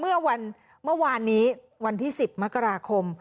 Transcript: เมื่อวันเมื่อวานนี้วันที่สิบมกราคม